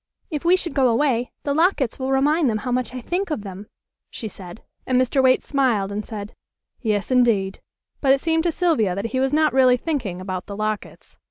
"If we should go away the lockets will remind them how much I think of them," she said, and Mr. Waite smiled and said: "Yes, indeed," but it seemed to Sylvia that he was not really thinking about the lockets.